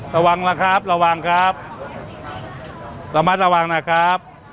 ระวังล่ะครับระวังครับระมัดระวังนะครับ